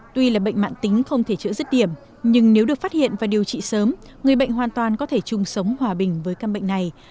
tuy là bệnh mạng tính không thể chữa dứt điểm nhưng nếu được phát hiện và điều trị sớm người bệnh hoàn toàn có thể chung sống hòa bình với căn bệnh này